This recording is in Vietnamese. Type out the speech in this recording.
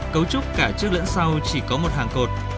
cấu trúc cả trước lẫn sau chỉ có một hàng cột